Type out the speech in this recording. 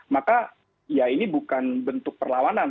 maka ya ini bukan bentuk perlawanan